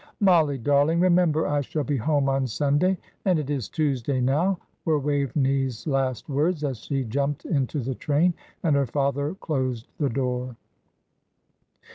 "Mollie, darling, remember I shall be home on Sunday, and it is Tuesday now," were Waveney's last words as she jumped into the train, and her father closed the door.